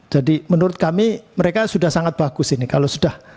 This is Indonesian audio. jadi menurut kami mereka sudah sangat bagus ini kalau sudah